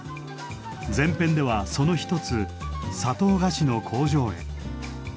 前編ではその一つ砂糖菓子の工場へ。